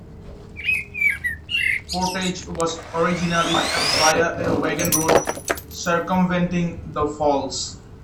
Portage was originally via a wagon road circumventing the falls.